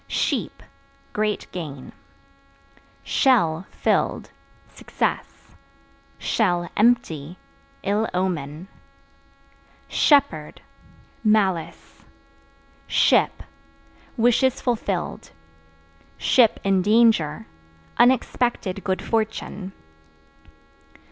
Sheep Great gain. Shell (Filled) success; (empty) ill omen. Shepherd Malice. Ship Wishes fulfilled; (in danger) unexpected good fortune.